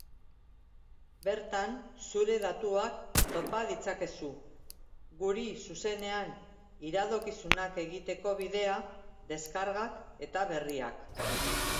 Bertan zure datuak topa ditzakezu, guri zuzenean iradokizunak egiteko bidea, deskargak eta berriak.